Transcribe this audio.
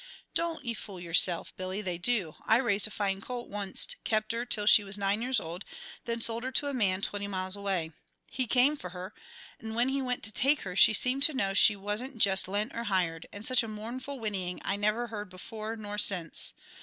"Don't ye fool yerself, Billy, they do. I raised a fine colt onct, kept her till she was nine years old, then sold her to a man twenty miles away. He came for her, 'nd when he went to take her she seemed to know she wasn't jist lent or hired, and such mournful whinnying I never heard before nor since.